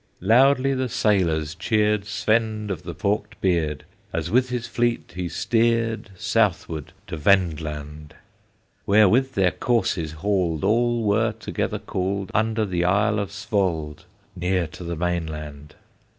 Loudly the sailors cheered Svend of the Forked Beard, As with his fleet he steered Southward to Vendland; Where with their courses hauled All were together called, Under the Isle of Svald Near to the mainland.